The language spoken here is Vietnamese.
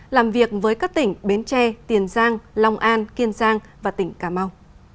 làm việc với các tỉnh bến tre tiền giang long an kiên giang và tỉnh cà mau